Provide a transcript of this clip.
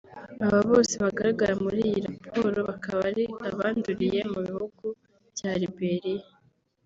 Aba bose bagaragara muri iyi raporo bakaba ari abanduriye mu bihugu bya Liberia